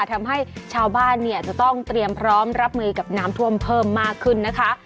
ทำให้ชาวบ้านเนี่ยจะต้องเตรียมพร้อมรับมือกับน้ำท่วมเพิ่มมากขึ้นนะคะ